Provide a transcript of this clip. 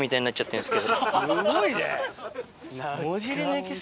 すごいね。